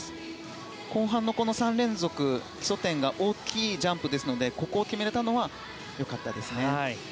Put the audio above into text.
後半の３連続基礎点が大きいジャンプですのでここを決められたのは良かったですね。